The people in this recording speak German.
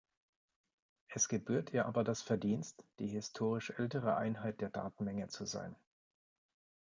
Es gebührt ihr aber das Verdienst, die historisch ältere Einheit der Datenmenge zu sein.